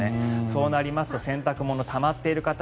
そうなりますと洗濯物がたまっている方。